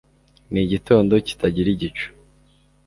n'igitondo kitagira igicu